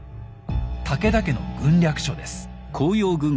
武田家の軍略書です。